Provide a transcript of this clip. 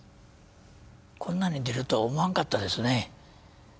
こんなに出るとは思わんかったですね。